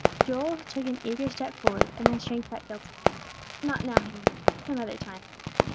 Joel took an eager step forward, and then shrank back guiltily. "Not now," he murmured, "some other time."